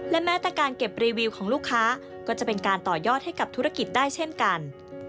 และแม้แต่การเก็บรีวิวของลูกค้าก็จะเป็นการต่อยอดให้กับธุรกิจได้เช่นกัน